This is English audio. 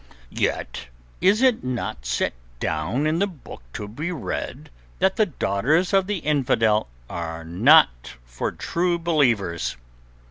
"Yet is it not set down in the Book to be Read that the daughters of the infidel are not for True Believers?"